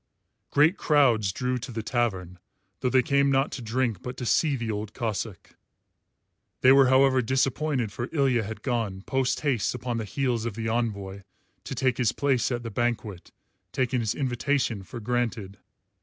Great crowds drew to the tavern, though they came not to drink but to see the Old Cossáck. They were however disappointed, for Ilya had gone, post haste upon the heels of the envoy, to take his place at the banquet, taking his invitation for granted.